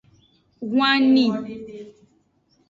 Hwanni.